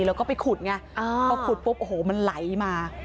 แล้วก็ไปขุดไงพอขุดปุ๊บโอ้โหมันไหลมา